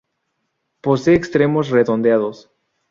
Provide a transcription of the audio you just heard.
Poseen extremos redondeados.